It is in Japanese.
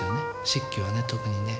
漆器はね特にね。